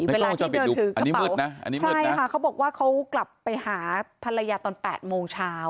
ในกล้องวงจรผิดอยู่อันนี้มืดนะใช่ค่ะเขาบอกว่าเขากลับไปหาภรรยาตอนแปดโมงเช้า